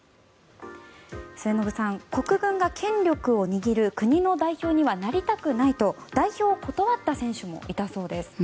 末延さん、国軍が権力を握る国の代表にはなりたくないと代表を断った選手もいたそうです。